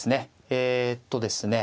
えとですね。